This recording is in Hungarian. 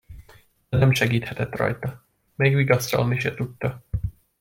De nem segíthetett rajta, még vigasztalni se tudta.